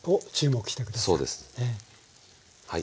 はい。